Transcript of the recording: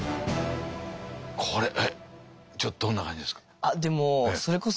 これちょっとどんな感じですか？